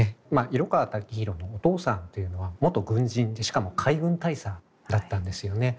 色川武大のお父さんっていうのは元軍人でしかも海軍大佐だったんですよね。